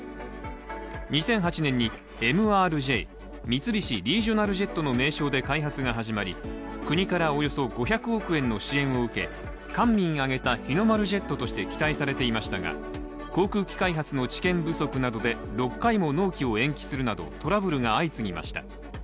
２００８年にＭＲＪ＝三菱リージョナルジェットの名称で開発が始まり国からおよそ５００億円の支援を受け官民挙げた日の丸ジェットとして期待されていましたが航空機開発の知見不足などで６回も納期を延期するなどトラブルが相次ぎました。